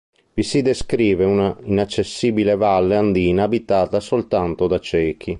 Vi si descrive una inaccessibile valle andina abitata soltanto da ciechi.